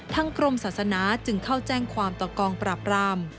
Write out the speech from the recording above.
ทางกรมศาสนาจึงเข้าแจ้งความต่อกองปราบราม